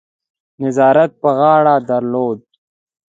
نظارت پر غاړه درلود.